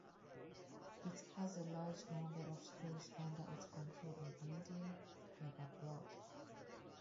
It has a large number of schools under its control in India and abroad.